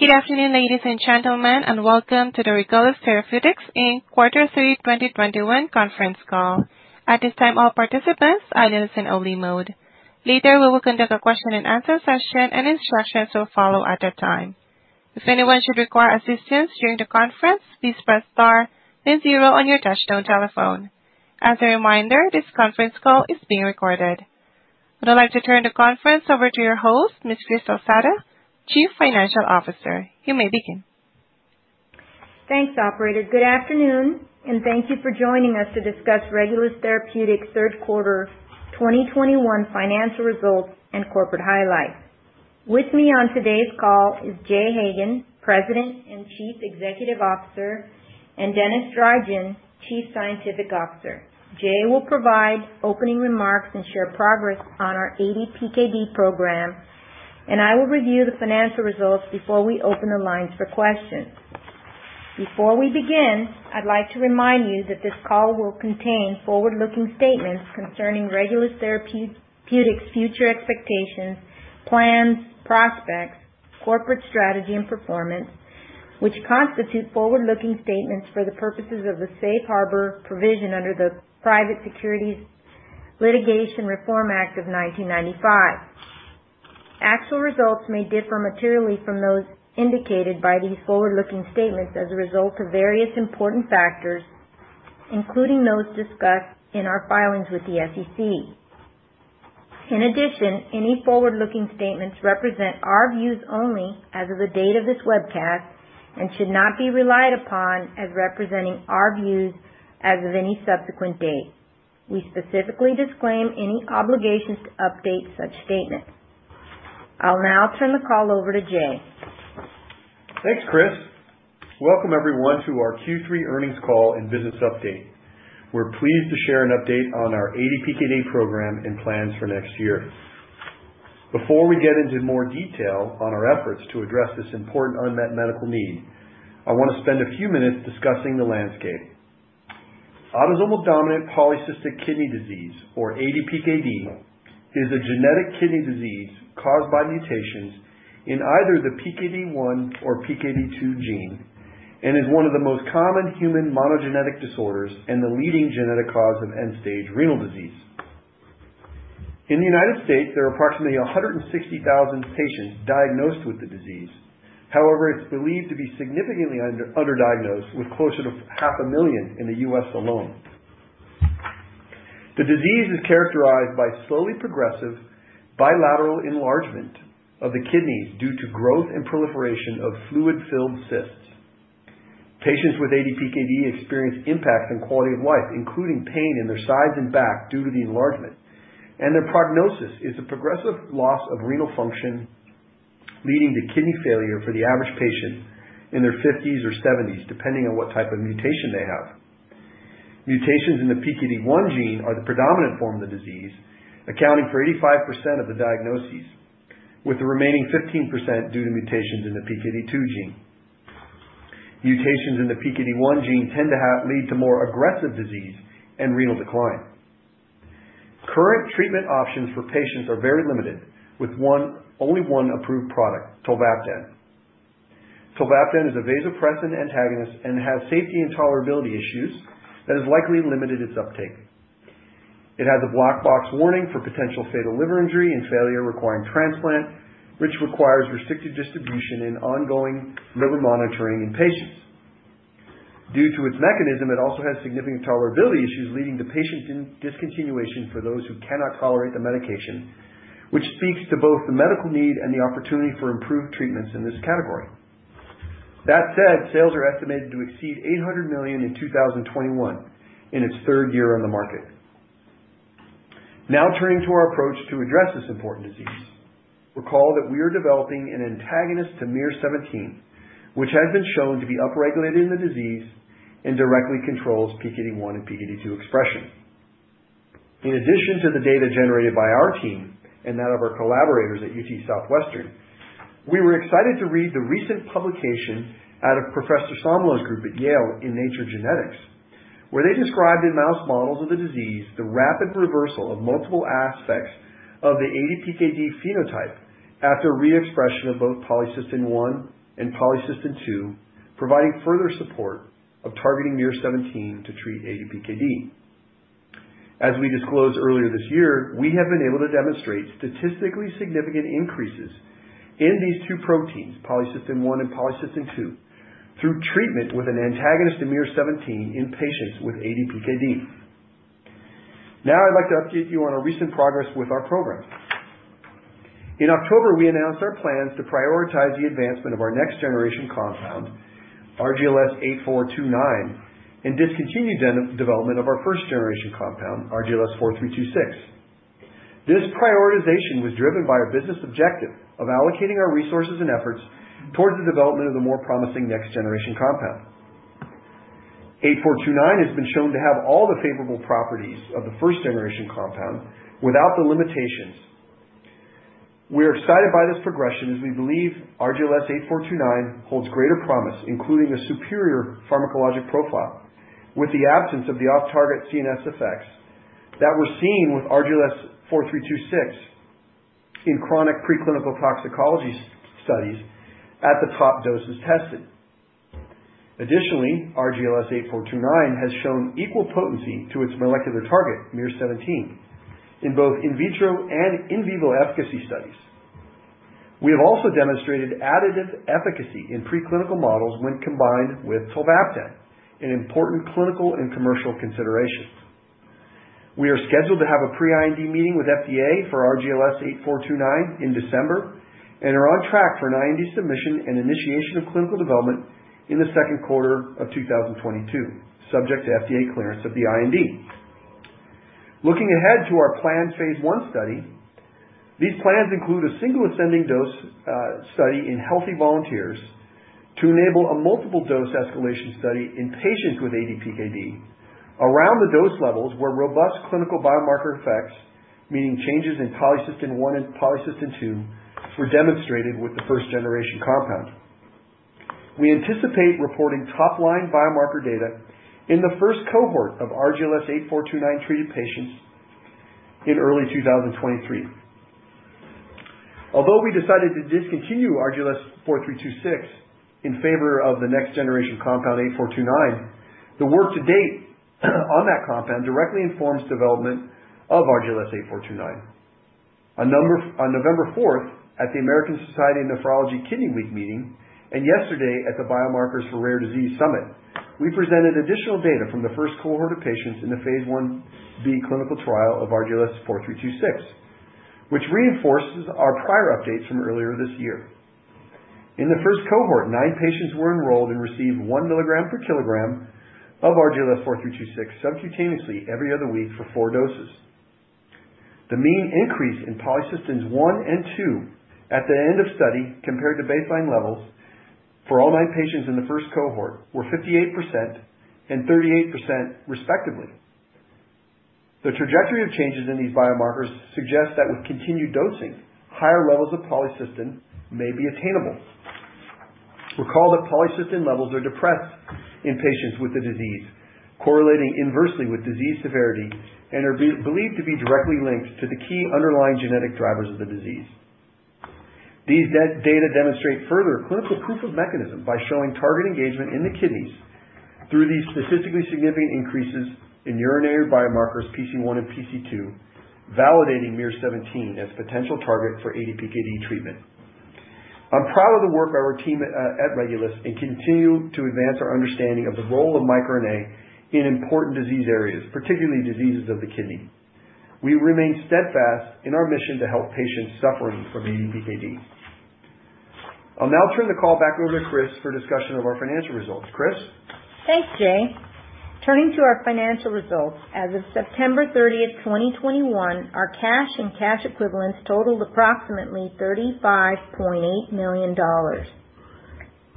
Good afternoon, ladies and gentlemen, and welcome to the Regulus Therapeutics Inc. Quarter Three 2021 conference call. At this time, all participants are in listen-only mode. Later, we will conduct a question-and-answer session, and instructions will follow at that time. If anyone should require assistance during the conference, please press star then zero on your touchtone telephone. As a reminder, this conference call is being recorded. I'd like to turn the conference over to your host, Ms. Cris Calsada, Chief Financial Officer. You may begin. Thanks, operator. Good afternoon, and thank you for joining us to discuss Regulus Therapeutics' third quarter 2021 financial results and corporate highlights. With me on today's call is Jay Hagan, President and Chief Executive Officer, and Denis Drygin, Chief Scientific Officer. Jay will provide opening remarks and share progress on our ADPKD program, and I will review the financial results before we open the lines for questions. Before we begin, I'd like to remind you that this call will contain forward-looking statements concerning Regulus Therapeutics' future expectations, plans, prospects, corporate strategy and performance, which constitute forward-looking statements for the purposes of the safe harbor provision under the Private Securities Litigation Reform Act of 1995. Actual results may differ materially from those indicated by these forward-looking statements as a result of various important factors, including those discussed in our filings with the SEC. In addition, any forward-looking statements represent our views only as of the date of this webcast and should not be relied upon as representing our views as of any subsequent date. We specifically disclaim any obligations to update such statements. I'll now turn the call over to Jay. Thanks, Cris. Welcome everyone to our Q3 earnings call and business update. We're pleased to share an update on our ADPKD program and plans for next year. Before we get into more detail on our efforts to address this important unmet medical need, I wanna spend a few minutes discussing the landscape. Autosomal dominant polycystic kidney disease, or ADPKD, is a genetic kidney disease caused by mutations in either the PKD1 or PKD2 gene and is one of the most common human monogenic disorders and the leading genetic cause of end-stage renal disease. In the United States, there are approximately 160,000 patients diagnosed with the disease. However, it's believed to be significantly underdiagnosed, with closer to 500,000 in the U.S. alone. The disease is characterized by slowly progressive bilateral enlargement of the kidneys due to growth and proliferation of fluid-filled cysts. Patients with ADPKD experience impacts in quality of life, including pain in their sides and back due to the enlargement, and their prognosis is a progressive loss of renal function, leading to kidney failure for the average patient in their 50s or 70s, depending on what type of mutation they have. Mutations in the PKD1 gene are the predominant form of the disease, accounting for 85% of the diagnoses, with the remaining 15% due to mutations in the PKD2 gene. Mutations in the PKD1 gene tend to lead to more aggressive disease and renal decline. Current treatment options for patients are very limited, with one, only one approved product, tolvaptan. Tolvaptan is a vasopressin antagonist and has safety and tolerability issues that has likely limited its uptake. It has a black box warning for potential fatal liver injury and failure requiring transplant, which requires restricted distribution and ongoing liver monitoring in patients. Due to its mechanism, it also has significant tolerability issues, leading to patient discontinuation for those who cannot tolerate the medication, which speaks to both the medical need and the opportunity for improved treatments in this category. That said, sales are estimated to exceed $800 million in 2021, in its third year on the market. Now turning to our approach to address this important disease. Recall that we are developing an antagonist to miR-17, which has been shown to be upregulated in the disease and directly controls PKD1 and PKD2 expression. In addition to the data generated by our team and that of our collaborators at UT Southwestern, we were excited to read the recent publication out of Professor Somlo's group at Yale in Nature Genetics, where they described in mouse models of the disease the rapid reversal of multiple aspects of the ADPKD phenotype after reexpression of both polycystin-1 and polycystin-2, providing further support of targeting miR-17 to treat ADPKD. As we disclosed earlier this year, we have been able to demonstrate statistically significant increases in these two proteins, polycystin-1 and polycystin-2, through treatment with an antagonist to miR-17 in patients with ADPKD. Now I'd like to update you on our recent progress with our program. In October, we announced our plans to prioritize the advancement of our next-generation compound, RGLS8429, and discontinue development of our first-generation compound, RGLS4326. This prioritization was driven by a business objective of allocating our resources and efforts towards the development of the more promising next-generation compound. 8429 has been shown to have all the favorable properties of the first-generation compound without the limitations. We are excited by this progression as we believe RGLS8429 holds greater promise, including a superior pharmacologic profile, with the absence of the off-target CNS effects that we're seeing with RGLS4326 in chronic preclinical toxicology studies at the top doses tested. Additionally, RGLS8429 has shown equal potency to its molecular target, miR-17, in both in vitro and in vivo efficacy studies. We have also demonstrated additive efficacy in preclinical models when combined with tolvaptan, an important clinical and commercial consideration. We are scheduled to have a pre-IND meeting with FDA for RGLS8429 in December and are on track for an IND submission and initiation of clinical development in the second quarter of 2022, subject to FDA clearance of the IND. Looking ahead to our planned phase I study, these plans include a single ascending dose study in healthy volunteers to enable a multiple dose escalation study in patients with ADPKD around the dose levels where robust clinical biomarker effects, meaning changes in polycystin-1 and polycystin-2, were demonstrated with the first generation compound. We anticipate reporting top-line biomarker data in the first cohort of RGLS8429 treated patients in early 2023. Although we decided to discontinue RGLS4326 in favor of the next generation compound, RGLS8429, the work to date on that compound directly informs development of RGLS8429. On November 4, at the American Society of Nephrology Kidney Week meeting and yesterday at the Biomarkers for Rare Diseases Summit, we presented additional data from the first cohort of patients in the phase Ib clinical trial of RGLS4326, which reinforces our prior updates from earlier this year. In the first cohort, 9 patients were enrolled and received 1 mg per kg of RGLS4326 subcutaneously every other week for four doses. The mean increase in polycystin-1 and polycystin-2 at the end of study, compared to baseline levels for all nine patients in the first cohort, were 58% and 38% respectively. The trajectory of changes in these biomarkers suggests that with continued dosing, higher levels of polycystin may be attainable. Recall that polycystin levels are depressed in patients with the disease, correlating inversely with disease severity and are believed to be directly linked to the key underlying genetic drivers of the disease. These data demonstrate further clinical proof of mechanism by showing target engagement in the kidneys through these statistically significant increases in urinary biomarkers PC1 and PC2, validating miR-17 as potential target for ADPKD treatment. I'm proud of the work by our team at Regulus, and continue to advance our understanding of the role of microRNA in important disease areas, particularly diseases of the kidney. We remain steadfast in our mission to help patients suffering from ADPKD. I'll now turn the call back over to Cris for discussion of our financial results. Cris? Thanks, Jay. Turning to our financial results, as of September 30, 2021, our cash and cash equivalents totaled approximately $35.8 million.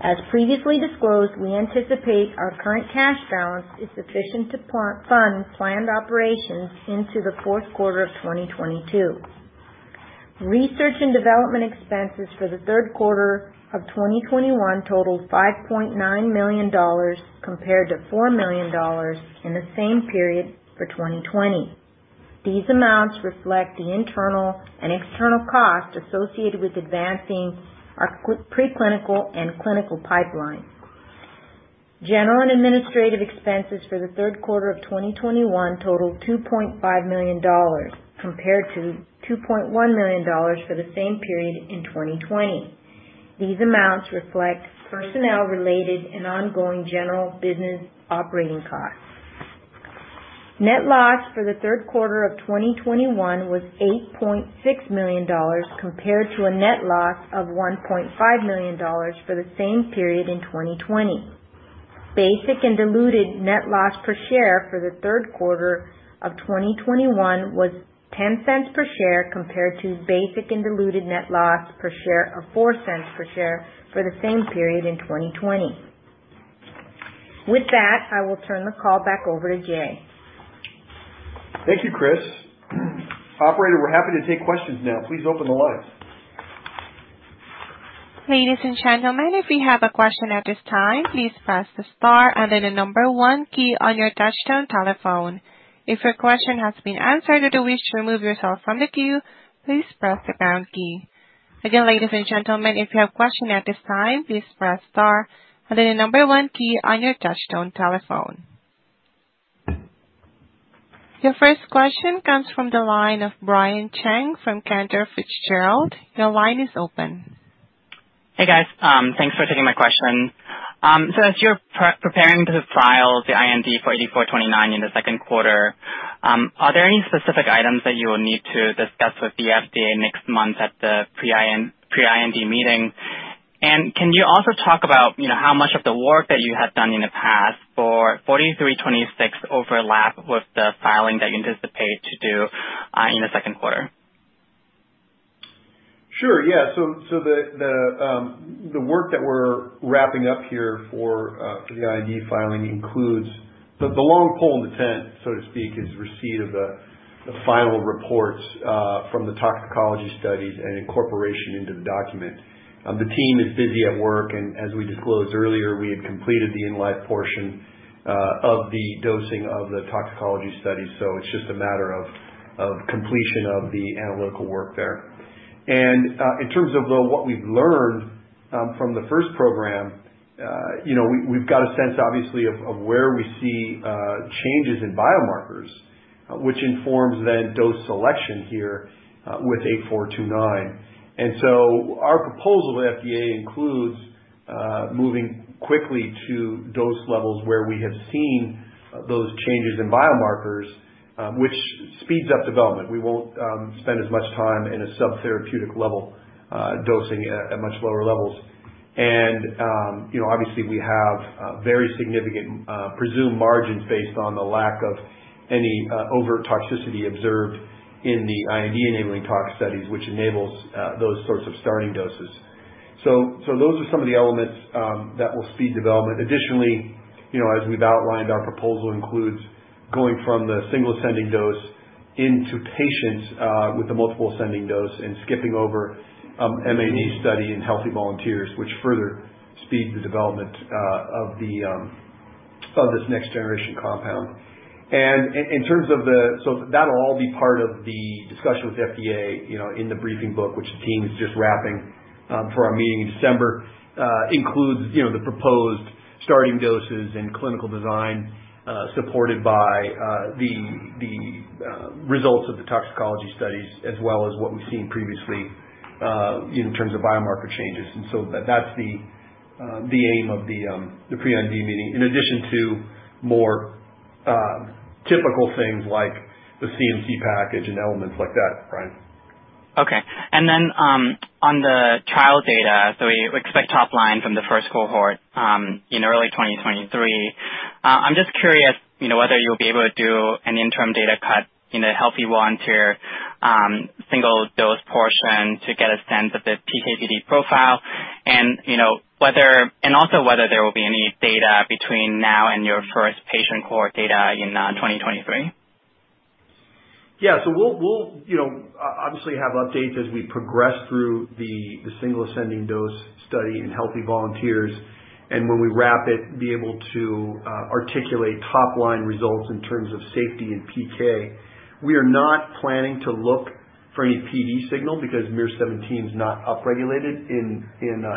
As previously disclosed, we anticipate our current cash balance is sufficient to fund planned operations into the fourth quarter of 2022. Research and development expenses for the third quarter of 2021 totaled $5.9 million compared to $4 million in the same period for 2020. These amounts reflect the internal and external costs associated with advancing our preclinical and clinical pipeline. General and administrative expenses for the third quarter of 2021 totaled $2.5 million compared to $2.1 million for the same period in 2020. These amounts reflect personnel related and ongoing general business operating costs. Net loss for the third quarter of 2021 was $8.6 million compared to a net loss of $1.5 million for the same period in 2020. Basic and diluted net loss per share for the third quarter of 2021 was $0.10 per share compared to basic and diluted net loss per share of $0.04 per share for the same period in 2020. With that, I will turn the call back over to Jay. Thank you, Cris. Operator, we're happy to take questions now. Please open the lines. Ladies and gentlemen, if you have a question at this time, please press the star and then the one key on your touchtone telephone. If your question has been answered, or you wish to remove yourself from the queue, please press the pound key. Again, ladies and gentlemen, if you have a question at this time, please press star and then the one key on your touchtone telephone. Your first question comes from the line of Brian Cheng from Cantor Fitzgerald. Your line is open. Hey, guys. Thanks for taking my question. As you're preparing to file the IND for RGLS8429 in the second quarter, are there any specific items that you will need to discuss with the FDA next month at the pre-IND meeting? Can you also talk about, you know, how much of the work that you have done in the past for RGLS4326 overlap with the filing that you anticipate to do in the second quarter? The work that we're wrapping up here for the IND filing includes. The long pole in the tent, so to speak, is receipt of the final reports from the toxicology studies and incorporation into the document. The team is busy at work and as we disclosed earlier, we had completed the in-life portion of the dosing of the toxicology study, so it's just a matter of completion of the analytical work there. In terms of what we've learned from the first program, you know, we've got a sense obviously of where we see changes in biomarkers, which informs then dose selection here with 8429. Our proposal to FDA includes moving quickly to dose levels where we have seen those changes in biomarkers, which speeds up development. We won't spend as much time in a sub-therapeutic level dosing at much lower levels. You know, obviously we have very significant presumed margins based on the lack of any overt toxicity observed in the IND enabling toxic studies, which enables those sorts of starting doses. So those are some of the elements that will speed development. Additionally, you know, as we've outlined, our proposal includes going from the single ascending dose into patients with a multiple ascending dose and skipping over MAD study in healthy volunteers, which further speeds the development of this next generation compound. In terms of the... That'll all be part of the discussion with FDA, you know, in the briefing book, which the team is just wrapping for our meeting in December, includes, you know, the proposed starting doses and clinical design, supported by the results of the toxicology studies as well as what we've seen previously, in terms of biomarker changes. That's the aim of the pre-IND meeting, in addition to more typical things like the CMC package and elements like that, Brian. Okay. On the trial data, we expect top line from the first cohort in early 2023. I'm just curious, you know, whether you'll be able to do an interim data cut in a healthy volunteer single dose portion to get a sense of the PK/PD profile and, you know, whether and also whether there will be any data between now and your first patient cohort data in 2023. Yeah, we'll obviously have updates as we progress through the single ascending dose study in healthy volunteers, and when we wrap it, be able to articulate top line results in terms of safety and PK. We are not planning to look for any PD signal because miR-17's not upregulated in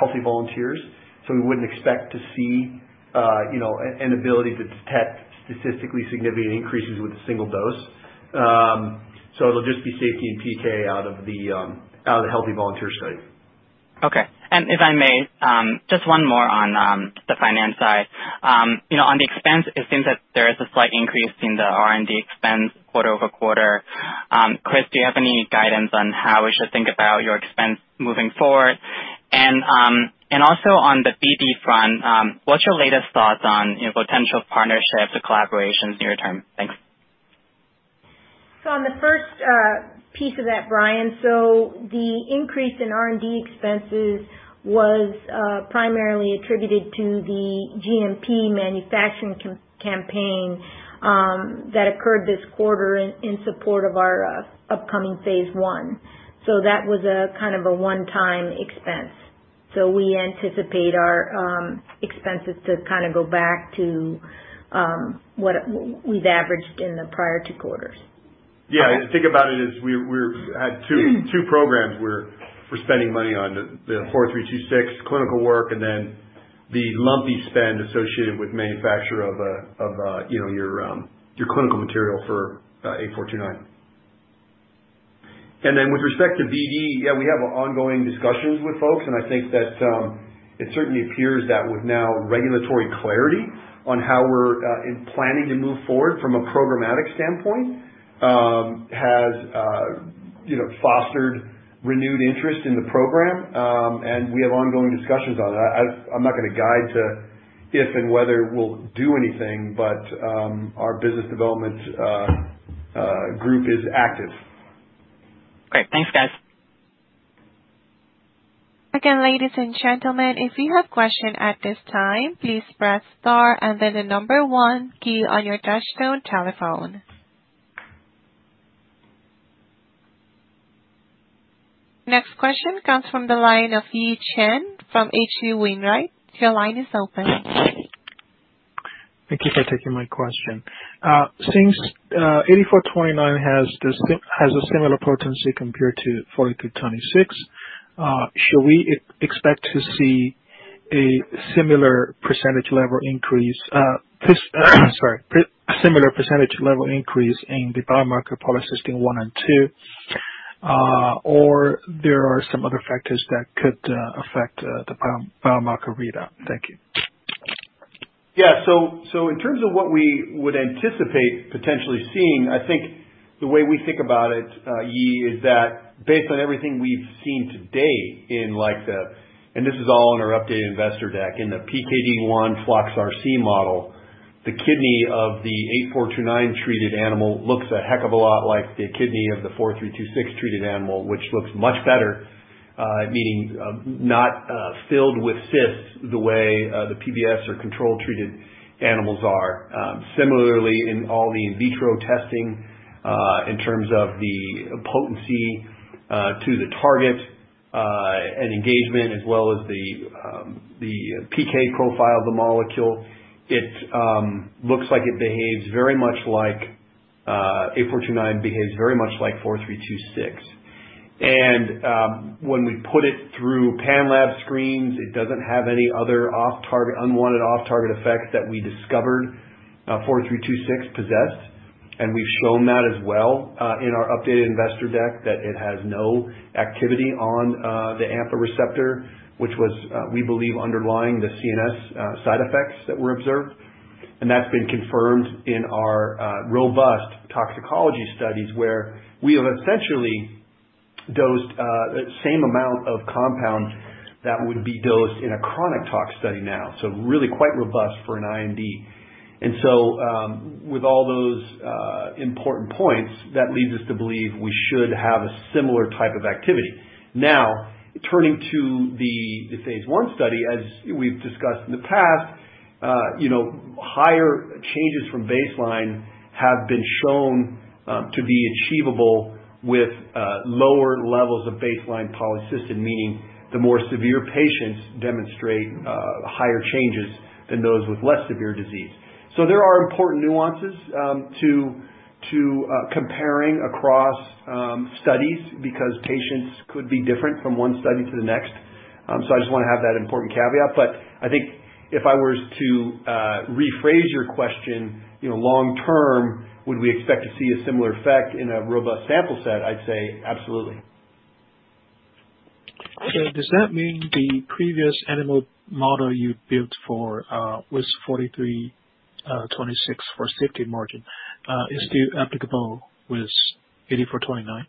healthy volunteers, so we wouldn't expect to see an ability to detect statistically significant increases with a single dose. It'll just be safety and PK out of the healthy volunteer study. Okay. If I may, just one more on the finance side. You know, on the expense, it seems that there is a slight increase in the R&D expense quarter-over-quarter. Cris, do you have any guidance on how we should think about your expense moving forward? Also on the BD front, what's your latest thoughts on, you know, potential partnerships or collaborations near term? Thanks. On the first piece of that, Brian, the increase in R&D expenses was primarily attributed to the GMP manufacturing campaign that occurred this quarter in support of our upcoming phase I. That was a kind of a one-time expense. We anticipate our expenses to kind of go back to what we've averaged in the prior two quarters. Yeah. If you think about it, we have two programs we're spending money on. The RGLS4326 clinical work, and then the lumpy spend associated with manufacture of our clinical material for RGLS8429. With respect to BD, we have ongoing discussions with folks, and I think that it certainly appears that with the regulatory clarity on how we're planning to move forward from a programmatic standpoint has fostered renewed interest in the program, and we have ongoing discussions on that. I'm not gonna guide to if and whether we'll do anything, but our business development group is active. Great. Thanks, guys. Again, ladies and gentlemen, if you have a question at this time, please press star and then the number one key on your touchtone telephone. Next question comes from the line of Yi Chen from H.C. Wainwright. Your line is open. Thank you for taking my question. Since 8429 has a similar potency compared to 4326, should we expect to see a similar percentage level increase in the biomarker polycystin-1 and polycystin-2? Or there are some other factors that could affect the biomarker readout? Thank you. Yeah. In terms of what we would anticipate potentially seeing, I think the way we think about it, Yi, is that based on everything we've seen to date in like the and this is all on our updated investor deck, in the Pkd1flox/RC model, the kidney of the RGLS8429 treated animal looks a heck of a lot like the kidney of the 4326 treated animal, which looks much better, meaning not filled with cysts the way the PBS or control treated animals are. Similarly in all the in vitro testing, in terms of the potency to the target and engagement as well as the PK profile of the molecule, it looks like 8429 behaves very much like 4326. When we put it through Panlabs screens, it doesn't have any other off-target, unwanted off-target effects that we discovered 4326 possessed. We've shown that as well in our updated investor deck, that it has no activity on the AMPA receptor, which was, we believe, underlying the CNS side effects that were observed. That's been confirmed in our robust toxicology studies, where we have essentially dosed the same amount of compound that would be dosed in a chronic tox study now. Really quite robust for an IND. With all those important points, that leads us to believe we should have a similar type of activity. Now, turning to the phase I study, as we've discussed in the past, you know, higher changes from baseline have been shown to be achievable with lower levels of baseline polycystin, meaning the more severe patients demonstrate higher changes than those with less severe disease. There are important nuances to comparing across studies because patients could be different from one study to the next. I just wanna have that important caveat, but I think if I was to rephrase your question, you know, long term, would we expect to see a similar effect in a robust sample set? I'd say absolutely. Does that mean the previous animal model you built for 4326 for safety margin is still applicable with 8429?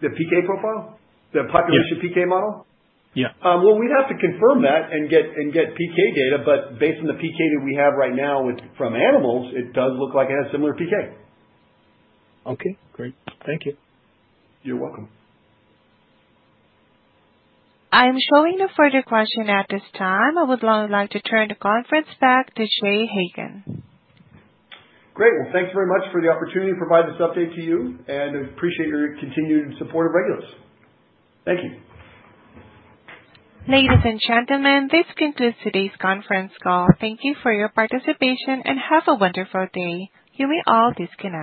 The PK profile? Yeah. PK model? Yeah. Well, we'd have to confirm that and get PK data. Based on the PK that we have right now from animals, it does look like it has similar PK. Okay, great. Thank you. You're welcome. I'm showing no further questions at this time. I would now like to turn the conference back to Jay Hagan. Great. Well, thanks very much for the opportunity to provide this update to you, and appreciate your continued support of Regulus. Thank you. Ladies and gentlemen, this concludes today's conference call. Thank you for your participation, and have a wonderful day. You may all disconnect.